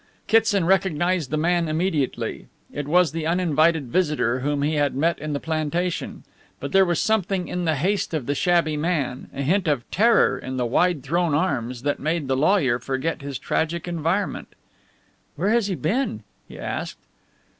Kitson recognized the man immediately. It was the uninvited visitor whom he had met in the plantation. But there was something in the haste of the shabby man, a hint of terror in the wide thrown arms, that made the lawyer forget his tragic environment. "Where has he been?" he asked.